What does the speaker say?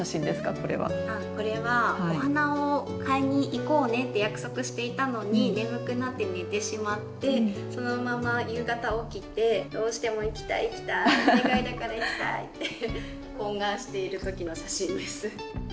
これはお花を買いにいこうねって約束していたのに眠くなって寝てしまってそのまま夕方起きてどうしても行きたい行きたいお願いだから行きたいって懇願している時の写真です。